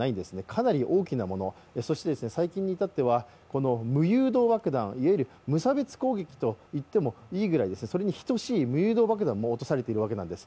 かなり大きなもの、そして最近に至ってはこの無誘導爆弾、無差別攻撃といっても等しい無誘導爆弾も落とされているんです。